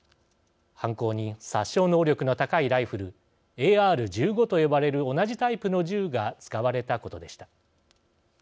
犯行に殺傷能力が高いライフルＡＲ−１５と呼ばれる同じタイプの銃が使われたことでした。